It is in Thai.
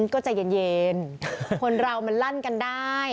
ก็ใจเย็นคนเรามันลั่นกันได้